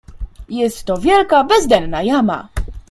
"Jest to wielka, bezdenna jama."